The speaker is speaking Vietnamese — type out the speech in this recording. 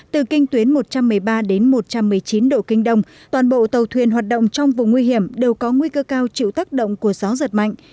từ kinh tuyến một trăm một mươi ba đến một trăm một mươi chín độ kinh đông toàn bộ tàu thuyền hoạt động trong vùng nguy hiểm đều có nguy cơ cao chịu tác động của gió giật mạnh